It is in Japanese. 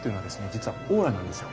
実はオーラなんですよ。